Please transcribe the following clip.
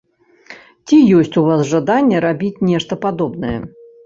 Ці ёсць у вас жаданне рабіць нешта падобнае?